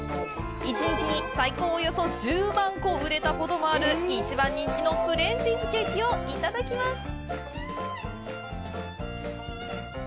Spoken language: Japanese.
１日に最高およそ１０万個売れたこともある一番人気のプレーンチーズケーキをいただきます！